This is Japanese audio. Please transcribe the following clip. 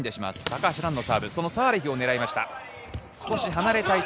高橋藍のサーブ、サーレヒを狙いました。